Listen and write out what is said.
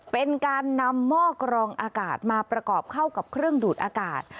เป็นการนำหม้อกรองอากาศมาประกอบเข้ากับเครื่องดูดอากาศ